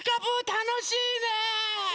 たのしいね。